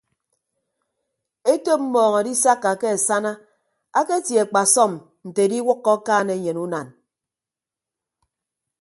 Etop mmọọñ adisakka ke asana aketie akpasọm nte ediwʌkkọ akaan enyen unan.